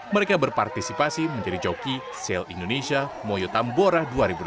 mereka berpartisipasi menjadi joki sale indonesia moyo tambora dua ribu delapan belas